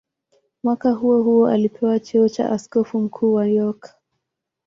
Mwaka huohuo alipewa cheo cha askofu mkuu wa York.